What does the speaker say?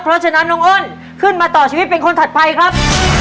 เพราะฉะนั้นน้องอ้นขึ้นมาต่อชีวิตเป็นคนถัดไปครับ